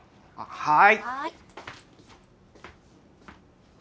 はい！